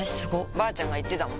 ばあちゃんが言ってたもん